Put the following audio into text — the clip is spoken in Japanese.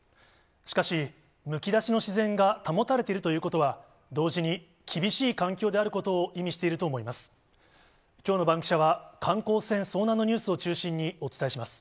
しかし、むき出しの自然が保たれているということは、同時に厳しい環境であることを意味していると思います。